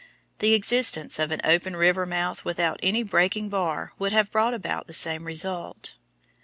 The existence of an open river mouth without any breaking bar would have brought about the same result.